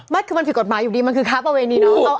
ไม่คือมันผิดกฎหมายอยู่ดีมันคือค้าประเวณีเนอะ